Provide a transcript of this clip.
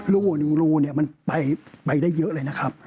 รูหนึ่งรูเนี่ยมันไปได้เยอะเลยนะครับ